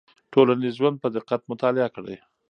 ټولنیز ژوند په دقت مطالعه کړئ.